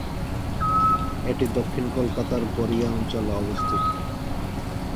এটি দক্ষিণ কলকাতার গড়িয়া অঞ্চলে অবস্থিত।